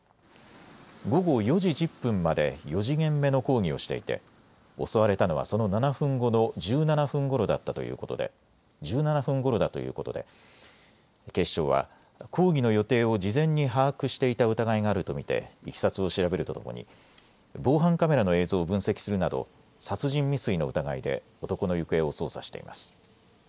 午後４時１０分まで４時限目の講義をしていて襲われたのはその７分後の１７分ごろだということで警視庁は講義の予定を事前に把握していた疑いがあると見ていきさつを調べるとともに防犯カメラの映像を分析するなど殺人未遂の疑いで男の行方を捜査しています。